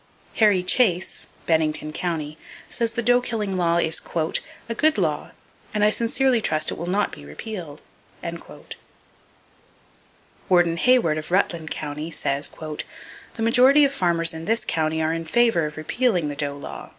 Harry Chase (Bennington County) says the doe killing law is "a good law, and I sincerely trust it will not be repealed." Warden Hayward of Rutland County says: "The majority of the farmers in this county are in favor of repealing the doe law....